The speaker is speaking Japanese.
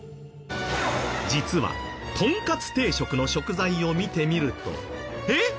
実はとんかつ定食の食材を見てみるとえっ！